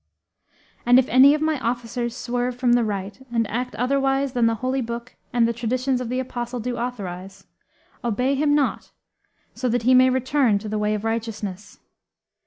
And if any of my officers swerve from the right and act otherwise than the Holy Book and the Traditions of the Apostle do authorise, obey him not so that he may return to the way of righteousness.'